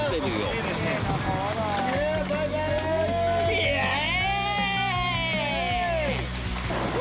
◆イエーイ！